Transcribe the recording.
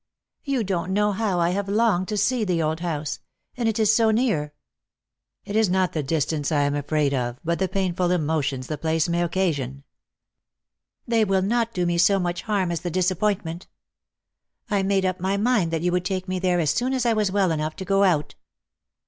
You don't know how I have longed to see the old house. And it is so near." " It is not the distance I am afraid of, but the painful emotions the place may occasion." " They will not do me so much harm as the disappointment. I made up my mind that you would take me there as soon as I was well enough to go out."